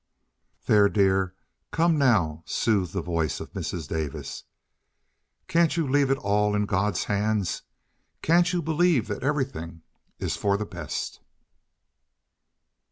"There, dear, come now," soothed the voice of Mrs. Davis. "Can't you leave it all in God's hands? Can't you believe that everything is for the best?"